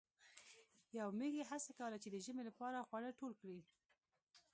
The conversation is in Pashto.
یوې میږی هڅه کوله چې د ژمي لپاره خواړه ټول کړي.